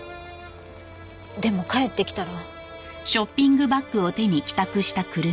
でも帰ってきたら。